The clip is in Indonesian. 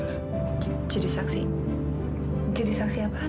jadi saksi jadi saksi apaan